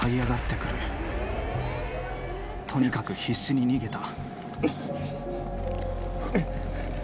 「とにかく必死に逃げた」